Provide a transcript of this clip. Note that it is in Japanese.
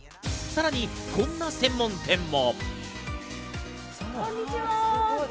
さらに、こんな専門店も。